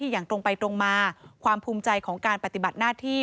อย่างตรงไปตรงมาความภูมิใจของการปฏิบัติหน้าที่